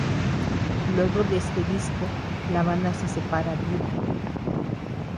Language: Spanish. Luego de este disco la banda se separaría.